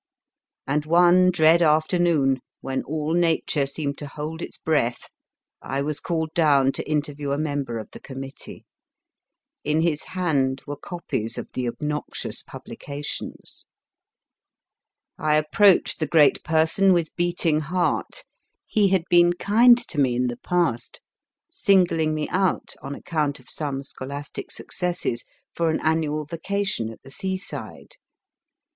And one dread afternoon, when all Nature seemed to hold its breath, I was called down to interview a member of the committee. In his hand were copies of the obnoxious publications. I approached the great person with beating heart. He had been kind to me in the past, singling me out, on account of some scholastic successes, for an annual vacation at the seaside.